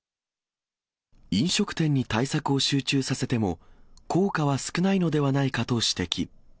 ーいんしょくてんにたいさくを集中させても、効果は少ないのではないかと指摘。